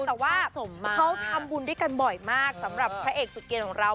แต่ว่าเขาทำบุญด้วยกันบ่อยมากสำหรับพระเอกสุดเกณฑ์ของเรา